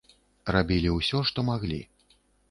Рабілі ўсё, што маглі.